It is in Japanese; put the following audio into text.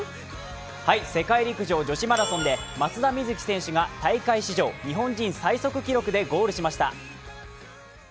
世界陸上女子マラソンで松田瑞生選手が大会史上、日本人最速記録でゴールしました。